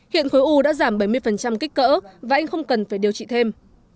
hiện khối u đã giảm bảy mươi kích cỡ và anh không cần phải điều trị thêm